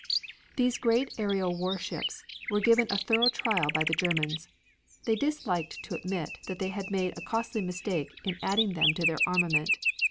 These great aerial warships were given a thorough trial by the Germans. They disliked to admit that they had made a costly mistake in adding them to their armament.